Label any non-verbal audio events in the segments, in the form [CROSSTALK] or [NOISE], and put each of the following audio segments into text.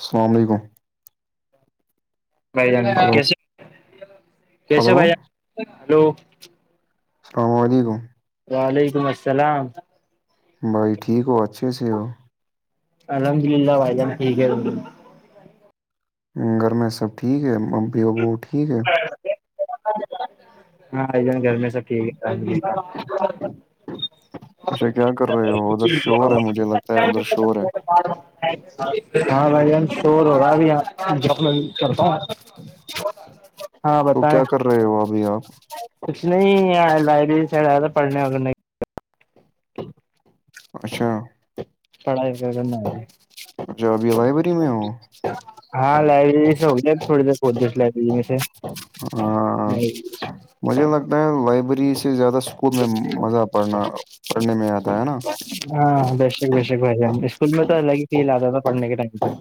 السلام علیکم بھائی جان ہلو کیسے ہلو کیسے بھائی جان ہیلو السلام علیکم وعلیکم السلام بھائی ٹھیک ہو اچھے سے ہو الحمد للہ بھائی جان ٹھیک ہے گھر میں سب ٹھیک ہے امی ابو ٹھیک ہے ہاں بھائی جان گھر میں سب ٹھیک ہے اچھا کیا کر رہے ہو ادھر شور ہے مجھے لگتا ہے ادھر شور ہے ہاں بھائی جان شور ہو رہا اب یہاں میں کرتا ہوں [INAUDIBLE] ہاں تو بتائیں کیا کر رہے ہو ابھی آپ کچھ نہیں لائبریری سائڈ آیا تھا پڑھنے وغ نہیں اچھا پڑائی کا گناے پنجابی لائبریری میں ہاں لائبریری سے ہوگول تھوڑے د بتیس لائبریری میں سے ہاں نہیںائی مجھے لگتا ہے لائبریری سے زیادہ اسکول میں مزہ پڑنا پڑھنے میں آتا ہے نا ہاں ہاں بے شک بے شک بھائی جان اسکول میں تو الگ ہی فی آتا تھا پڑھنے کے ٹائم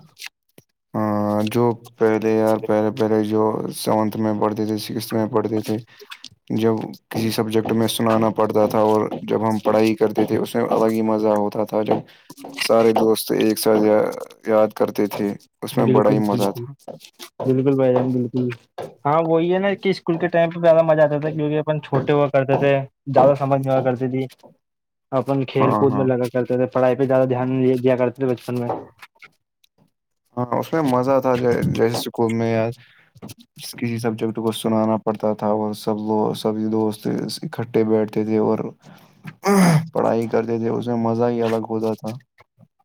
ہاں، جو پہلے یار پہلے پہلے جو سیونتھ میں پڑھتی تھی سکس میں پڑھتے تھے جب کسی سبجیکٹ میں سنانا پڑتا تھا اور جب ہم پڑھائی کرتے تھے اس میں الگ ہی مزہ ہوتا تھا جب سارے دوست ایک ساتھ یا یاد کرتے تھے اس میں بڑا بالکل ہی مزہ بالکل تھا بالکل بھائی جان بالکل ہاں وہی ہے نا کہ اسکول کے ٹائم پہ زیادہ مزہ آتا تھا کیونکہ چھوٹے ہوا کرتے تھے زیادہ سمج نہیں ہوا کرتی تھی اپن کھیل ہاں کود میں ہاں لگا کرتے تھے پڑھائی پہ زیادہ دھیان دیا کرتے تھے بچپن میں ہاں اس میں مزہ تھا جیسے اسکول میں کسی سبجیکٹ کو سنانا پڑتا تھا اور سب لوگ سبھی دوست اکٹھے بیٹھتے تھے اور پڑھائی کرتے تھے اس میں مزہ ہی الگ ہوتا تھا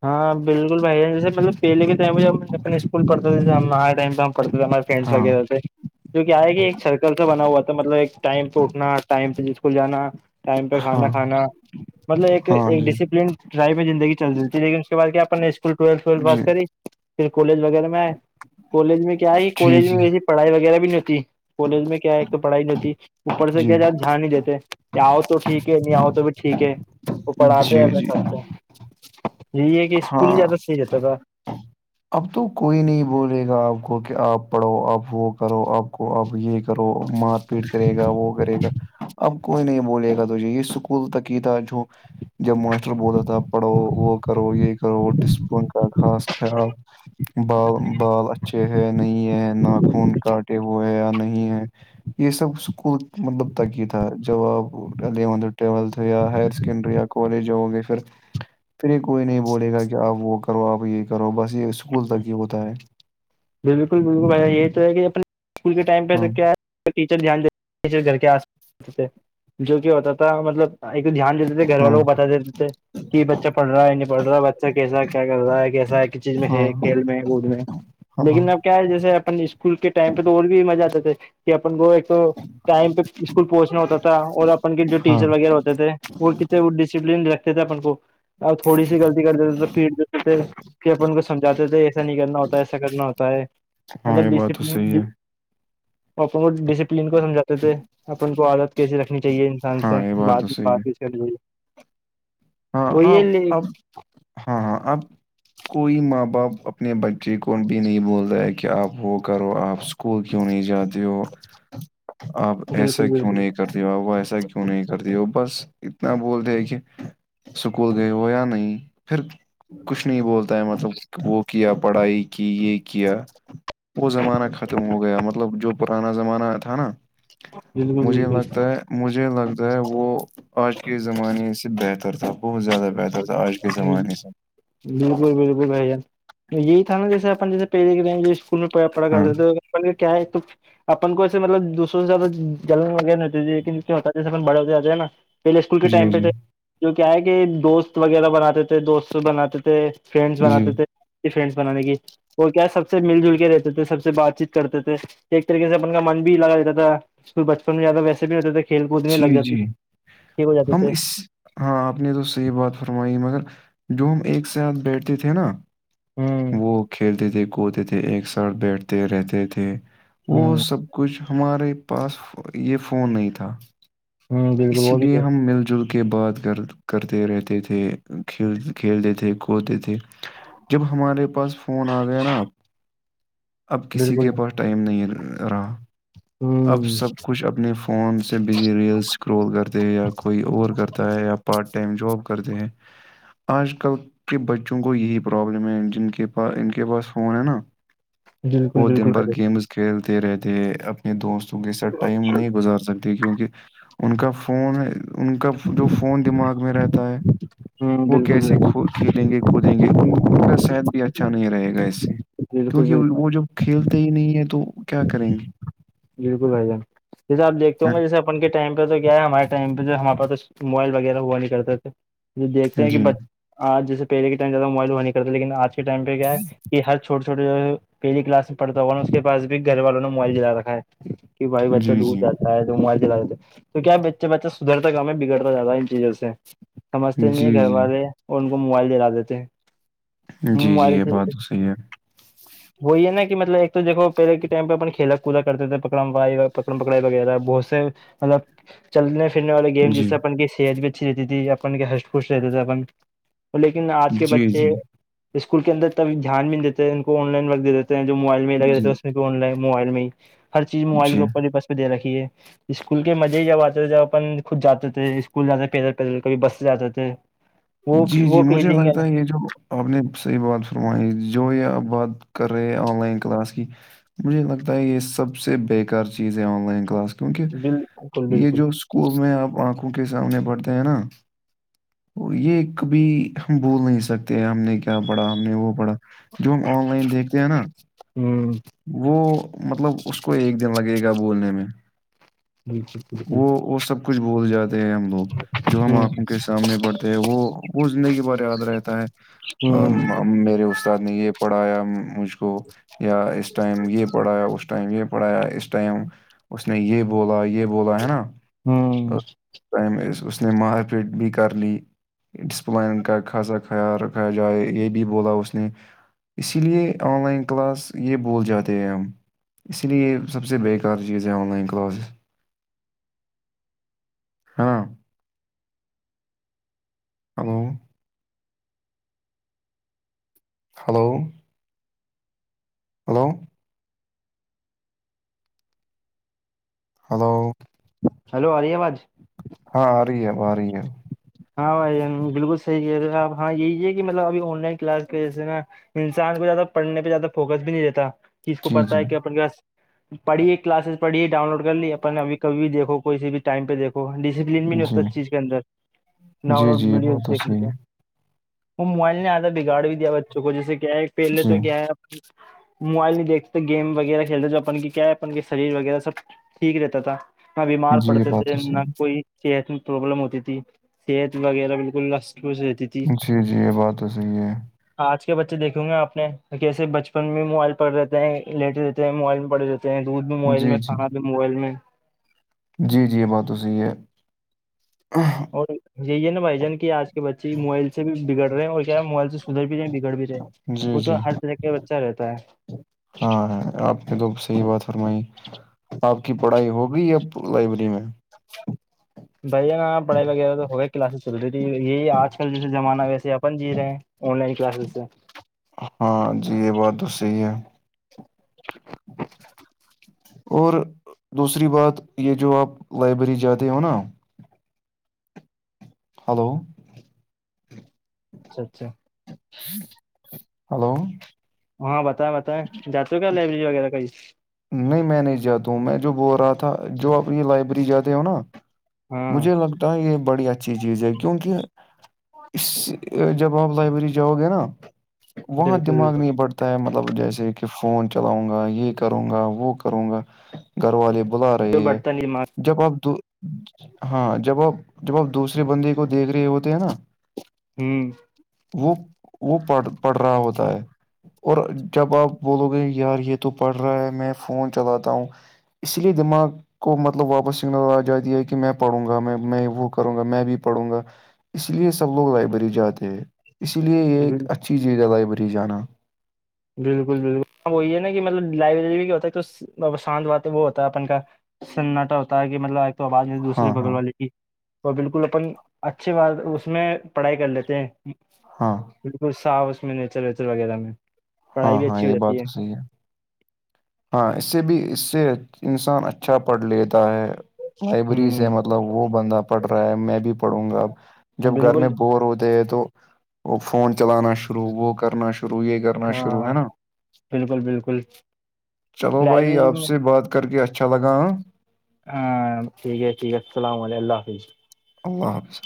ہاں بالکل بھائی جیے مطلب پہلے کے ٹائ پہ ہم اپنے اسکول پڑھتے تھ ہمارے ٹائم پہ ہم پڑتے فنڈس ہاں وغیرہ سے جو کیا ہے کہ ایک سرکل س بنا ہوا تھا مطلب ایک ٹائم پہ اٹھنا ٹائم پہ اسکول جانا ٹائم پہ کھانا ہاں کھانا مطلب ہاں ایک جی ڈسپلڈ لائف میں زندگی چل رہتی لیکن اس کے بعد کیا اپ نے اسکول ٹویل ٹھ جی پس کری پھر کالج وغیرہ میں آئے کالج میں کیا کیا ہی جی کالج جی میں اییسی پڑھائی وغیرہ بھی نہیں ہوتی کالج میں کیا ہے پڑھائی نہیں ہوتی اوپر سے جی کیا جات جھیان نہیں دیتے کہ آؤ تو ٹھیک ہے نہیں آؤ تو بھی ٹھیک ہے وہ پڑھاتے ہیں جی اپنے جی ساتھ کو یہی ہے کہ اسکول ہی ہاں زیادہ صحیح رہتا تھا اب تو کوئی نہیں بولے گا آپ کو کہ آپ پڑھو آپ وہ کرو آپ کو اب یہ کرو مار پیٹ کرے گا وہ کرے گا اب کوئی نہیں بوللیے گا تو یہ یہ اسکول تک ہی تھا جو جب ماسٹر بولتا تھا پڑھو وہ کرو یہ کرو ڈسپلن کا خاص خیال بال بال اچھے ہے نہیں ہے نا خون کاٹے ہوئے ہیں یا نہیں ہے یہ سب اسکول مطلب تک یہ تھا جوابے ٹولتھ یا ہر سیکنڈری یا کالج گے پھر پھر یہ کوئی نہیں بولے گا کہ آپ وہ کرو آپ یہ کرو بس یہ اسکول تک یہ ہوتا ہے بالکل بالکل بھ یہی تو ہے کہ اپنے اسکول کے ٹائم ہاں پہ کیا ہے ٹیچر دھیان ٹیچر گھر کے آس تھے جو کہ ہوتا تھا مطلب ایک تو دھیان دیتے تھے گھر ہاں والوں کو بتا دیتے تھے کہ بچہ پڑھ رہا ہے یہ نہیں پڑھ رہا ہے بچہ کیسا کیا کر رہا ہے کیسا ہے کس چیز میں ہے ہاں کھیل میں کود میں ہاں لیکن اب کیا ہے جیسے اپن اسکول کے ٹائم پہ تو اور بھی مزہ آتا تھے کہ اپن وہ ایک تو ٹائم پہ اسکول پہنچنا ہوتا تھا اور اپن کے جو ہاں ٹیچر وغیرہ ہوتے تھے وہ وہ ڈسپلین رکھتے تھے اپن کو اب تھوڑی سی غلطی کر دیتے تھے تو پیٹ دیتے تھے کہ اپن کو سمجھاتے تھے ایسا نہیں کرنا ہوتا ایسا کرنا ہوتا ہاں مطلب یہ بات تو ڈسپلن صحیح ہے اور بوہوت اپ ان کو سمجھاتے تھے اپن کو عادت کیسیے رکھنی چاہیے انسان ہاں سے یہ تو بات میں صحیح ہے بات کیسی کرنی چاہیے وہ ہاں یہ اب ہاں ہاں اب کوئی ماں باپ اپنے بچے کو بھی نہیں بول رہ ہے کہ آپ وہ کرو آپ اسکول کیوں نہیں جاتے ہو آپ ایسا بالکل کیوں بالکل نہیں کرتے وہ ایسا کیوں نہیں کرتی وہ بس اتنا بولتے ہے کہ اسکول گئے ہو یا نہیں پھر کچھ نہیں بولتا ہے مطلب وہ کیا پڑھائی کی یہ کیا وہ زمانہ ختم ہو گیا مطلب جو پرانا زمانہ تھا نا بالکل مجھے بالکل لگتا ہے مجھے لگتا ہے وہ آج کے زمانے سے بہتر تھا بہت زیادہ بہتر تھا تو آج کے زمانے س بالکل بالکل بھائی جان یہی تھا نا جیسے اپن جیسے پہ دیک رہے میں پ پڑا ہاں کرتا تو پ کیا ہے تو اپن کو ایسے مطلب دوسروں سےیادہ جلن وغیرہ نہیں ہوتی لیکن ہوتا ہے جیسے بڑے ہوتے جاتے ہیں نا پہلے اسکول کے جی ٹائم پہ جی تھے جو کیا ہے کہ دوست وغیرہ بناتے تھے دوست بناتے تھے فرینڈس جی بناتے تھے فرینڈس بنانے کی وہ کیا سب سے مل جل کے رہتے تھے سب سے بات چیت کرتے تھے ایک طریقے سے اپن کا من بھی لگا رہتا تھا اس بچپن میں زیادہ ویسے بھی ہوتے تھے کھیل کود میں جی لگ جات جی ٹھیک ہو جاتے ہم تھے اس ہاں آپ نے تو صحیح بات فرمائی مگر جو ہم ایک ساتھ بیٹھتے تھے نا ہ وہ کھیلتے تھے کوتے تھے ایک ساتھ بیٹھتے رہتے تھے وہ ہ سب کچھ ہمارے پاس یہ فون نہیں تھا ہ بالکل اسی وہ بھی لیے ہے ہم مل جل کے بات کر کرتے رہتے تھے کھیل کھیلتے تھےکودتے تھے جب ہمارے پاس فون آ گیا نا آپ اب کسی بالکل کے پاس ٹائم نہیں رہا اب ہ سب کچھ اپنے فون سے بزی ریئلس گروتھ کرتے یا کوئی اور کرتا ہے یا پارٹ ٹائم جاب کرتے ہیں آج کل کے بچوں کو یہی پرابلم ہے جن کے پاس ان کے پاس فون ہے نا بالکل وہ بالکل دن بھر بھائی جان، گیمز کھیلتے رہتے اپنے دوستوں کے ساتھ ٹائم نہیں گزار سکتے کیونک ان کا فون ان کا جو فون دماغ میں رہتا ہے ہوں وہ بالکل کیسے بالکل کھیلیں گے دیں گے ان ان کا صحت بھی اچھا نہیں رہے گا اس سے بالکل کیونکہ بالکل وہ جب کھیلتے ہی نہیں ہے تو کیا کریں گے بالکل بھائی جان جیسے آ دیکھتے ہ گے جیسے اپن ٹائم پہ تو کیا ہے ہمارے ٹم پہ ہمارے پہ تو موائل وغیرہ ہوا نہیں کرتے تھے جو دیکتے ہیں کہ جی بچ آج جسے پہلے کے ٹائم سےیادہ موبائل ہوا نہیں کرتا لیکن آج ائ پہ کیا ہے کہ ہر چھوٹے چھوٹ جو ہے پہلی کلاس میں پڑتا ہوا نا اس کے پاس بھی گھر والوں نے موبائل دلا رکھا ہے کہ بھائی بچہ جی دور جی جاتا ہے تو موبائل چل دی تو کیا بچہ بچہ سدھرتا کاا ہے بگڑتا جاتا ہے ان چیزوں سے سمجتے جی نہیں ہیں گھر جی والے اور ان کو موبائل دلا دیتے ہیں جی جی موبائل یہ سے بات تو صحیح ہے وہی ہے نا کہ مطلب ایک تو دیکو پہلے کے ٹائم پہ اپن کھیلا کودک کرتے تھے پکڑائی پکڑم پکڑائی وغیرہ بہت سے مطلب چلنے پھرنے والے گیم جس جی سے اپن کی صحت بھی اچھی رہتی تھی اپن کے ہس خوش رہتا تھے اپن لیکن آج کے جی بچے جی اسکول کے اندر تب دھیان بھی نہیں دیتے ان کو آن لائن ورک دے دیتے جو موبائل میں لگے رہے ہیں جی اس میںن ل ہے موبائل میں ہیر چیز موبائل کے جی اوپر بسہ دے رکھی ہے اسکول کے مزے ہی جب آتے تھے جب اپن خود جاتے تھے اسکول جاتے پیدل پیدل کب بس سے جاتے تھے وہ جی جی وہ مجھے فیلنگ لگتا ہے یہ جو آپ نے صحیح بات فرمائی جو یہ آپ بات کر رہے ہیں آن لائن کلاس کی مجھے لگتا ہے یہ سب سے بےیکار چیز ہے آن لائن کلاس کیونکہ بالکل یہ بالکل جو ک میں آپ آنکھوں کے سامنے بڑتے ہے نا اور یہ کبھی ہم بھول نہیں سکتے ہم نے کیا پڑھا ہم نے وہ پڑھا جو ہم آن لائن دیکھتے ہیں نا ہوں وہ مطلب اس کو ایک دن لگے گا بولنے میں جچ وہ وہ سب کچھ بول جاتے ہیں ہم لوگ جو ہم آنکھوں ہ کے سامنے بڑھتے ہیں وہ وہ زندگی کے بارے یاد رہتا ہے ہوں ام، ام، میرے استاد نے یہ پڑھایا مجھ کو یا اس ٹائم یہ پڑھایا اس ٹائم یہ پڑھایا اس ٹائم اس نے یہ بولا یہ بولا ہے نا ہوں ٹم اس نے مار پیٹ بھی کر لی ڈسپلائن کا خاصا خیال رکھا جائے یہ بھی بولا اس نے اسی لیے آن لائن کلاس یہ اسکول جاتے ہیں ہم اسی لیے سب سے بیکار چیز ہے آن لائن کلاسز ہاں hello hello hello hello hello آری باج ہاں آ رہی ہے اب آ رہی ہے ہاں بھائی بالکل صحیح کہہ رہے آپ ہاں یہی ہے کہ مطلب ابھی آن لائن کلاس کے جیسے نا انسان کو زیادہ پڑھنے پہ زیادہ فوکس بھی نہیں رہتا کس کو جی پت جی ہے کہ اپنے پس پڑھیے کلاسز پڑھیے ڈاؤن لوڈ کر لی اپن اب کبھی بھی دیکھو کوسی بھی ٹائم پہ دیکھو ڈسپلین بھی نہیں جی ہوتا اس چیز کے اندر جی ناوڈ جی یہ ویڈیوز بات تو دیکھ صحیح لیتے ہے وہ موبائل نے آیادا بگاڑ بھی دیا بچوں کو جیسے کیا ہے پہلے جی تو کیا ہے موبائل نہیں دیکھتے گیم وغیرہ کھیلتے جو اپن کی کیا ہے اپن کے شریر وغیرہ سب ٹھیک رہتا تھا نہ بیمار جی یہ پڑتے بات تھے تو نہ صحیح کوئی صحت میں پرابلم ہوتی تھی ست وغیرہ بالکل لسپوس رہتی تھی جی جی یہ بات تو صحیح ہے آج کے بچے دیکھیں گے آپ نے کیسے بچپن میں موبائل پڑھتے ہیں لیٹے رہتے ہیں موبائل میں پڑے رہتے ہیں چاہے دودھ بھی موبائل جی میں جی کانا بھی موبائل میں جی جی یہ بات تو صحیح ہے اور یہی ہے نا بھائی جان کہ آج کے بچے موبائل سے بھی بگڑ رہے ہیں اور کیا ہے موائل سے سدھر بھی رہے ہیں بگڑ بھی رہے ہیں جی وہ تو جی ہر طرح کا بچہ رہتا ہے ہاں ہ آپ نے تو صحیح بات فرمائی آپ کی پڑھائی ہوگئی اب لائبریری میں بھیا پڑھائی وغیرہ تو ہوگا کلاسز چل رہی تھی یہ آج کل جیس زمانہ ویسے اپن جی رہے ہیں آن لائن کلاسز سے ہاں جی یہ بات تو صحیح ہے اور دوسری بات یہ جو آپ لائبریری جاتے ہو نا ہلو اچھا اچھا ہلو ہاں بتائیں بتائیں جاتے ہو کیا لائبریری وغیرہ کا نہیں میں نہیں جاتا ہوں میں جو بول رہا تھا جو اپنی لائبریری جاتے ہو نا ہاں مجھے لگتا یہ بڑی اچھی چیز ہے کیونکہ اس جب آپ لائبریری جاؤ گے نا وہاں بالکل دماغ بالکل نہیں بڑھتا ہوتا ہے مطلب جیسے کہ فون چلاؤں گا یہ کروں گا وہ کروں گا گھر والے بلا رہے کیوں ہے بڑھتا نہیں مارک جب اپ ہاں جب آ جب آپ دوسرے بندے کو دیکھ رہے ہوتے ہیں نا ہوں وہ وہ پڑ پڑھ رہا ہوتا ہے اور جب آپ بولو گے یار یہ تو پڑھ رہا ہے میں فون چلاتا ہوں اس لیے دماغ کو مطلب واپس سگ نظ آ جاتی ہے کہ میں پڑھوں گا میں میں وہ کروں گا میں بھی پڑھوں گا اس لیے سب لوگ لائبریری جاتے ہیں اسی لیے یہ ایک بال- اچھی چیز ہے لائبریری جانا بالکل بالکل ا وہی ہے نا کہ مطلب لائبریری بھی ہوتا ہے تو شانت و وہ ہوتا ہے اپن کا سناٹا ہوتا ہے کہ مطلب ایک تو آواز نہیں ہاں دوسرے بغل ہاں والے کی وہ بالکل اپن اچھے بات اس میں پڑھائی کر لیتے ہیں ہاں بالکل صاف اس میں نیچر ویچر وغیرہ میں ہاں پڑھائی بھی ہاں اچھی ہو یہ بات جاتی تو صحی ہے ہاں اس سے بھی اس سے انسان اچھا پڑھ لیتا ہے لائبریری سے مطلب ہ وہ بندہ پڑھ رہا ہے میں بھی پڑھوں گا اب جب گھر میں بالکل بور ہوتے ہیں تو وہ فون چلانا شروع وہ کرنا شروع یہ کرنا شروع ہاں ہے نا بالکل بالکل چلو بھائی لائبریری آپ میں سے بات کر کے اچھا لگا ہ ہاں ٹھیک ہے ٹھیک ہے السلام ع ال اللہ حافظ اللہ حافظ